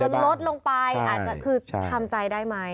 ลดลงไปอาจจะคือทำใจได้ไหม